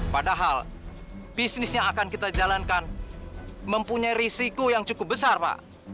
padahal bisnis yang akan kita jalankan mempunyai risiko yang cukup besar pak